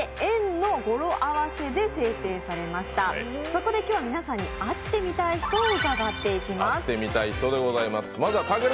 そこで今日は皆さんに会ってみたい人をうかがいます。